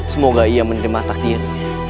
semoga ia mendermatak diri